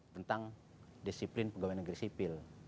tentang disiplin pegawai negeri sipil